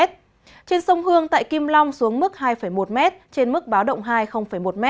trên sông hương tại kim long xuống mức hai một m trên mức báo động hai một m